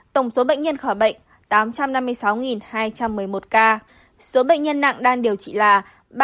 tổng số bệnh nhân khỏi bệnh tám trăm năm mươi sáu hai trăm một mươi một ca số bệnh nhân nặng đang điều trị là ba năm trăm một mươi năm ca